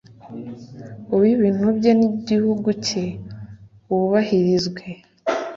uw’ibintu bye n’igihugu cye wubahirizwe